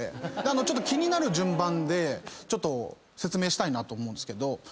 ちょっと気になる順番で説明したいなと思うんですけど。